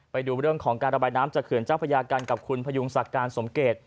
ไปดูเรื่องของการระบายน้ำจากเขื่อนเจ้าพระยากันกับคุณพยุงศักดิ์การสมเกต